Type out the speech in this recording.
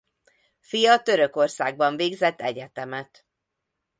Fia Törökországban végzett egyetemet.